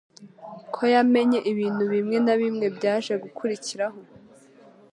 ko yamenye ibintu bimwe na bimwe byaje gukurikiraho